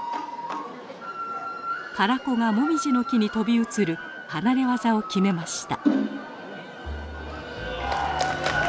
唐子がモミジの木に飛び移る離れ業を決めました。